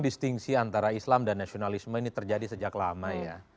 distingsi antara islam dan nasionalisme ini terjadi sejak lama ya